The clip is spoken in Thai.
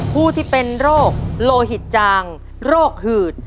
ผู้ที่เป็นโรคโลหิตจางโรคหืด